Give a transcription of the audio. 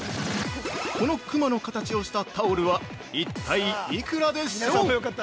このクマの形をしたタオルは一体、幾らでしょう？